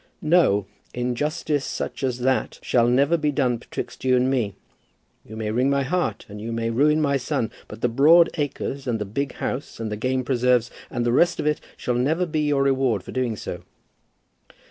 No; injustice such as that shall never be done betwixt you and me. You may wring my heart, and you may ruin my son; but the broad acres and the big house, and the game preserves, and the rest of it, shall never be your reward for doing so."